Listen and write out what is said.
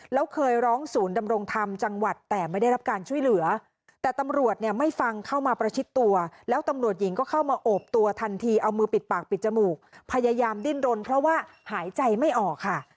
แล้วเคยร้องศูนย์ดำรงธรรมจังหวัดแต่ไม่ได้รับการช่วยเหลือแต่ตำรวจเนี่ยไม่ฟังเข้ามาประชิดตัวแล้วตำรวจหญิงก็เข้ามาโอบตัวทันทีเอามือปิดปากปิดจมูกพยายามดิ้นรนเพราะว่าหายใจไม่ออกค่ะ